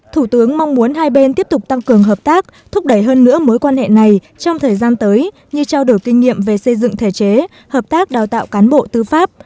thủ tướng mong muốn hai bên tiếp tục tăng cường hợp tác thúc đẩy hơn nữa mối quan hệ này trong thời gian tới như trao đổi kinh nghiệm về xây dựng thể chế hợp tác đào tạo cán bộ tư pháp